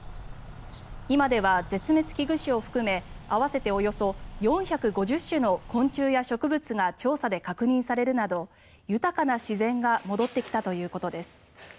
今では絶滅危惧種を含め合わせておよそ４５０種の昆虫や植物が調査で確認されるなど豊かな自然が戻ってきたということです。